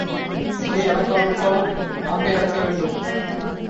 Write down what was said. எதை அடக்காவிட்டாலும் நாக்கை அடக்க வேண்டும்.